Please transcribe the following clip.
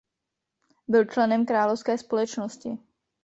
Byl členem Královské společnosti.